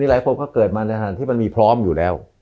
หลายคนก็เกิดมาในฐานที่มันมีพร้อมอยู่แล้ว